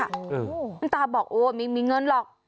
คุณตาบอกโอ้ไม่มีเงินหรอก